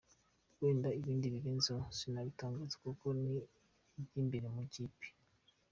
Wenda ibindi birenzeho sinabitangaza kuko ni iby’imbere mu ikipe.